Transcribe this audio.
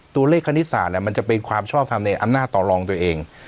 คณิตศาสตร์มันจะเป็นความชอบทำในอำนาจต่อรองตัวเอง